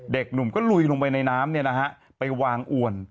เด็กหนุ่มก็ลุยลงไปในน้ำเนี่ยนะฮะไปวางอ่วน